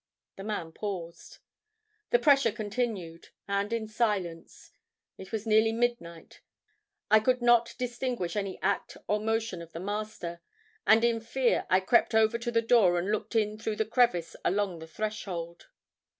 The man paused. "The pressure continued—and the silence. It was nearly midnight. I could not distinguish any act or motion of the Master, and in fear I crept over to the door and looked in through the crevice along the threshold.